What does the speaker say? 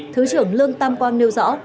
thứ trưởng lương tam quang nêu rõ